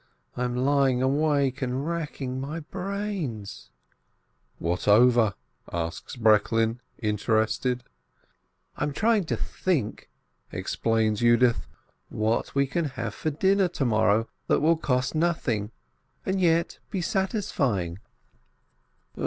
I'm lying awake and racking my brains." "What over?" asks Breklin, interested. "I'm trying to think," explains Yudith, "what we can have for dinner to morrow that will cost nothing, and yet be satisfying."